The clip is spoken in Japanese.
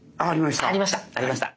ありました。